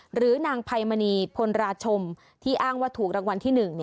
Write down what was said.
หรือนางไพมณีพลราชมที่อ้างว่าถูกรางวัลที่๑